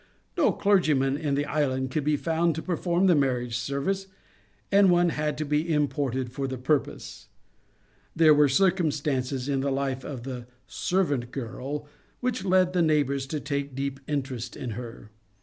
No clergyman in the island could be found to perform the marriage service, and one had to be imported for the purpose. There were circumstances in the life of the ^^ servant girl " which led the neighbours to take deep interest in her.